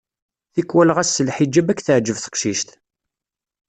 Tikwal ɣas s lḥiǧab ad k-teɛǧeb teqcict.